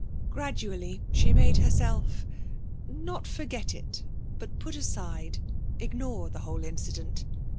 Gradually she made herself not forget it but put aside, ignore the whole incident.